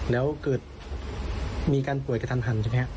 แล้วเกิดมีการป่วยกระทันหันใช่ไหมครับ